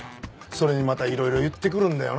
それにまたいろいろ言ってくるんだよな。